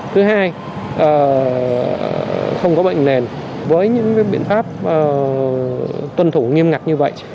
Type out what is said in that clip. thứ hai không có bệnh nền với những biện pháp tuân thủ nghiêm ngặt như vậy